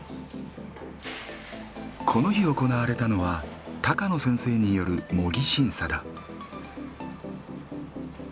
この日行われたのは高野先生による模擬審査だ。